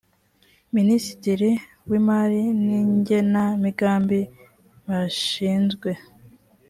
minisitiri w imari n igenamigambi bashinzwe